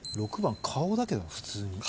６番顔だけど普通に。